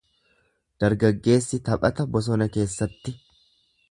Dargaggeessi taphata bosona keessatti.